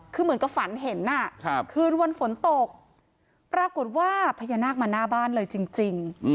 คือเหมือนกับฝันเห็นคืนวันฝนตกปรากฏว่าพญานาคมาหน้าบ้านเลยจริง